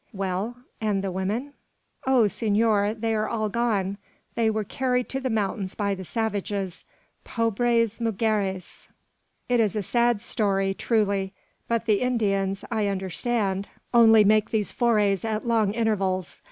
"Well, and the women?" "Oh, senor! they are all gone; they were carried to the mountains by the savages. Pobres mugeres!" "It is a sad story, truly; but the Indians, I understand, only make these forays at long intervals.